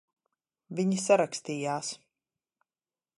Viņi sarakstījās.